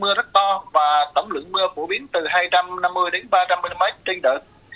mưa rất to và tổng lượng mưa phổ biến từ hai trăm năm mươi đến ba trăm linh mm trên đợt